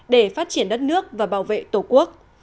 để phát triển đất nước và bảo vệ tổ quốc